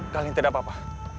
kalian tidak apa apa